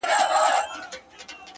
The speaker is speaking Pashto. • یو معلم کلي ته نوی وو راغلی ,